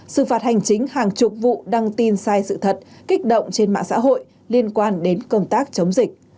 sự phạt hành chính hàng chục vụ đăng tin sai sự thật kích động trên mạng xã hội liên quan đến công tác chống dịch